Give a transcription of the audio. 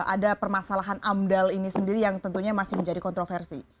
ada permasalahan amdal ini sendiri yang tentunya masih menjadi kontroversi